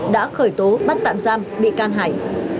đã khởi tố bắt tạm giam bị can hải